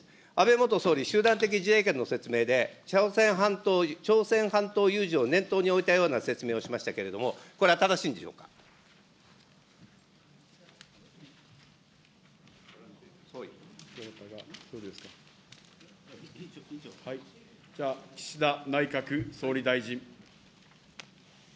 安倍元総理、集団的自衛権の説明で、朝鮮半島有事を念頭に置いたような説明をしましたけれども、これ岸田内閣総理大臣。